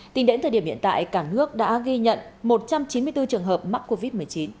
tính đến thời điểm hiện tại cả nước đã ghi nhận một trăm chín mươi bốn trường hợp mắc covid một mươi chín